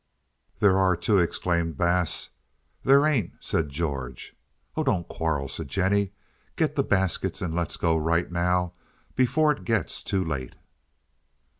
"There are, too," exclaimed Bass. "There ain't," said George. "Oh, don't quarrel," said Jennie. "Get the baskets and let's go right now before it gets too late."